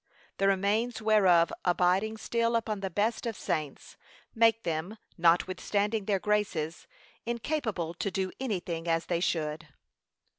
the remains whereof abiding still upon the best of saints, make them, not withstanding their graces, incapable to do any thing as they should.